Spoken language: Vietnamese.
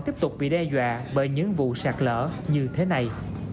tiếp tục bị đe dọa bởi những vụ sạt lỡ như thế này